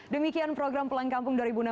demikian program pulang kampung dua ribu enam belas